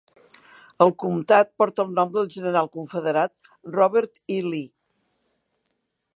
El comtat porta el nom del General Confederat Robert E. Lee.